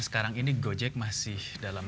sekarang ini gojek masih dalam